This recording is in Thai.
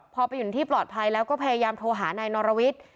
พอไปอยู่ในที่ปลอดภัยแล้วก็พยายามโทรหานายนรวิทย์